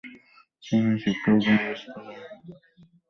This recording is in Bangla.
সেখানে শিক্ষা ও জ্ঞান বিস্তারে আত্মনিয়োগ করেন।